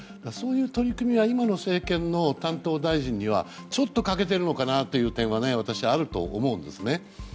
そういう取り組みは今の政権の担当大臣はちょっと欠けているのかなという点はあると思うんです。